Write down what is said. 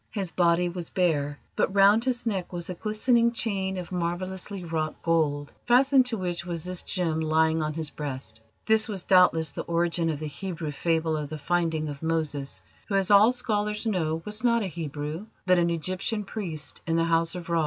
His body was bare, but round his neck was a glistening chain of marvellously wrought gold, fastened to which was this gem lying on his breast. This was doubtless the origin of the Hebrew fable of the finding of Moses, who, as all scholars know, was not a Hebrew, but an Egyptian priest in the House of Ra.